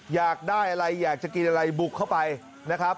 อยากได้อะไรอยากจะกินอะไรบุกเข้าไปนะครับ